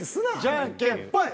じゃんけんぽい。